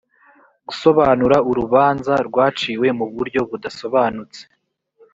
gusobanura urubanza rwaciwe mu buryo budasobanutse